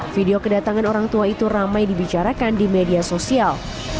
video kedatangan orang tua itu ramai dibicarakan di media sosial